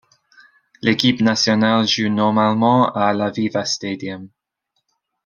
L'équipe nationale joue normalement à l'Aviva Stadium.